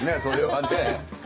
それはね。